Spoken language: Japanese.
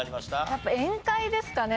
やっぱ宴会ですかね。